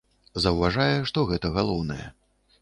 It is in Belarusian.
Заўважае, што гэта галоўнае.